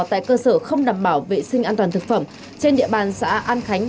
tại cơ sở không đảm bảo vệ sinh an toàn thực phẩm trên địa bàn xã an khánh